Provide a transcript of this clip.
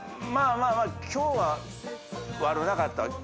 まあまあまあ今日は悪なかった。